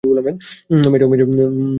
মে, যাও।